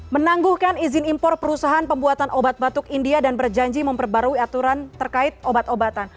menangguhkan izin impor perusahaan pembuatan obat batuk india dan berjanji memperbarui aturan terkait obat obatan